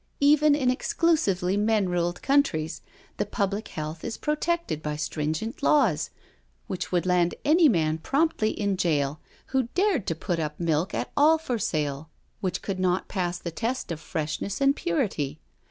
Even in ex clusively men ruled countries, the public health is pro tected by stringent laws, which would land any man promptly in jail who dared to put up milk at all for sale which could not pass the test of freshness and purity.